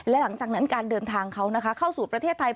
และหลังจากนั้นการเดินทางเขานะคะเข้าสู่ประเทศไทย